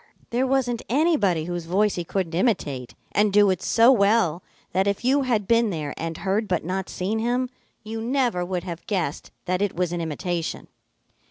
There wasn't anybody whose voice he couldn't imitate and do it so well that if you had been there and heard but not seen him, you never would have guessed that it was an imitation.